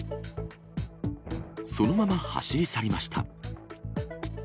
そのまま走り去りました。